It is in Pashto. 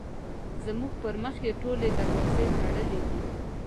زموږ پر مخ یې ټولې دروازې تړلې دي.